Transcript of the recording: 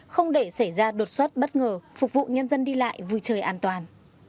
không để xảy ra đột xuất bất ngờ phục vụ nhân dân đi lại vui chơi an toàn